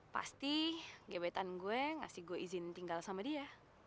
pasti gebetan gue ngasih gue izin tinggal sama dia